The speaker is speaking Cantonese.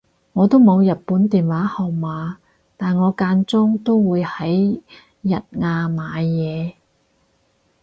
我都冇日本電話號碼但我間中都會喺日亞買嘢